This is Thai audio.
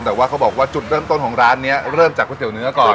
แต่ว่าเขาบอกว่าจุดเริ่มต้นของร้านนี้เริ่มจากก๋วเนื้อก่อน